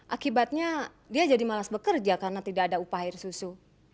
akibatnya dia jadi malas bekerja karena tidak ada upah air susu